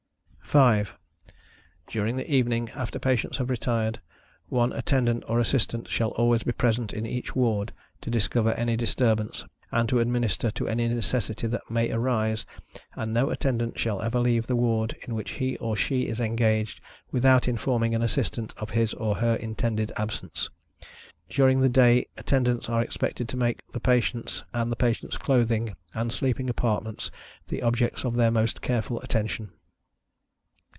5. During the evening, after patients have retired, one Attendant or Assistant, shall always be present in each ward, to discover any disturbance, and administer to any necessity that may arise, and no Attendant shall ever leave the ward in which he or she is engaged, without informing an Assistant of his or her intended absence. During the day Attendants are expected to make the patients, and the patientâ€™s clothing, and sleeping apartments, the objects of their most careful attention.